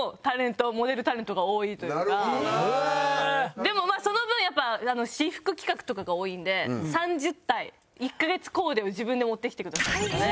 でもまあその分やっぱ私服企画とかが多いんで３０体１カ月コーデを自分で持ってきてくださいとかで。